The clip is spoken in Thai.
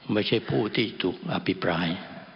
ไม่ใช่ผู้ที่ถูกอภิปราย